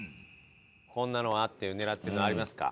「こんなのは」って狙ってるのはありますか？